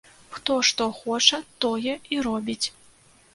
Хто што хоча, тое і робіць.